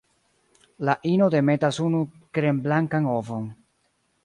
La ino demetas unu kremblankan ovon.